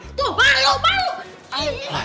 itu kan nyokap yang meheli